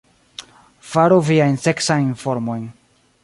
Faru viajn seksajn formojn